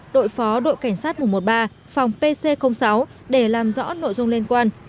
đội phó đội cảnh sát mùa một mươi ba phòng pc sáu để làm rõ nội dung liên quan